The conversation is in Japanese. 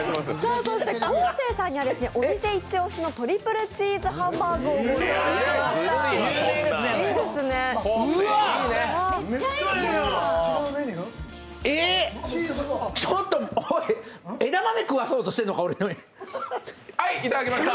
そして昴生さんにはお店一押しのトリプルチーズハンバーグをご用意しました。